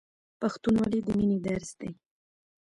پښتونولي د مینې درس دی.